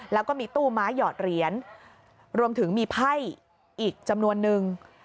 แล้วก็มีตู้ไม้หยอดเหรียญรวมถึงมีไพ่ออีกจำนวนนึง